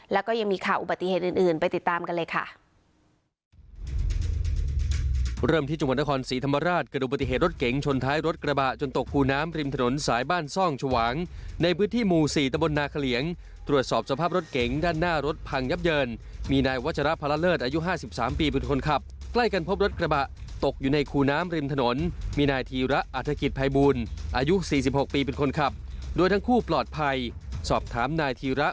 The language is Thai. แล้วก็ยังมีข่าวอุบัติเหตุอื่นไปติดตามกันเลยค่ะ